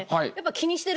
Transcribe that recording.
気にしてる。